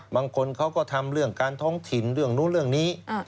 บางคนเขาก็ทำเรื่องการท้องถิ่นเรื่องนู้นเรื่องนี้